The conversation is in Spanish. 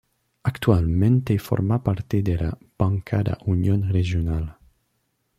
Actualmente forma parte de la bancada Unión Regional.